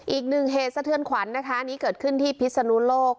อีกหนึ่งเหตุสะเทือนขวัญนะคะอันนี้เกิดขึ้นที่พิศนุโลก